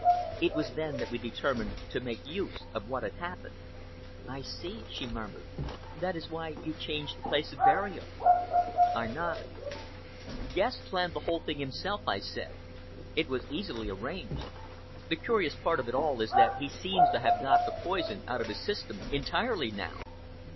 It was then that we determined to make use of what had happened." "I see," she murmured. "That is why you changed the place of burial." I nodded. "Guest planned the whole thing himself," I said. "It was easily arranged. The curious part of it all is that he seems to have got the poison out of his system entirely now!"